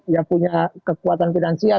ya punya kekuatan finansial